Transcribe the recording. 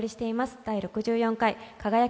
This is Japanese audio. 「第６４回輝く！